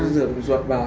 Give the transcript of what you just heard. rượm ruột vào